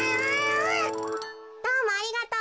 どうもありがとう。